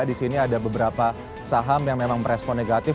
di sini ada beberapa saham yang memang merespon negatif